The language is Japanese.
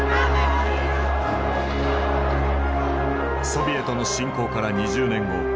ソビエトの侵攻から２０年後。